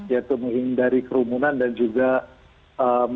yaitu menghindari kerumunan dan juga ee